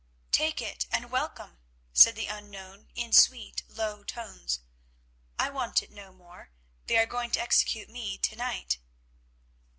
"Take it and welcome," said the unknown in sweet, low tones, "I want it no more; they are going to execute me to night."